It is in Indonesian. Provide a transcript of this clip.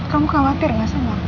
kamu khawatir gak sama aku